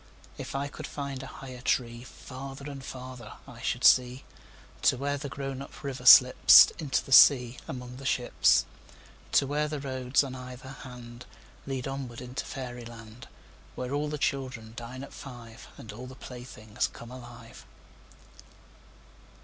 If I could find a higher treeFarther and farther I should see, To where the grown up river slipsInto the sea among the ships. To where the roads on either handLead onward into fairy land, Where all the children dine at five, And all the playthings come alive.